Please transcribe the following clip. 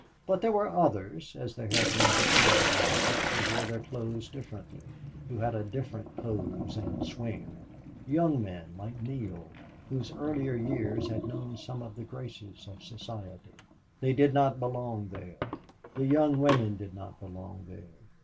But there were others, as there had been before the bar, who wore their clothes differently, who had a different poise and swing young men, like Neale, whose earlier years had known some of the graces of society. They did not belong there; the young women did not belong there.